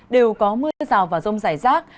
đều có mưa rào và rông rải rác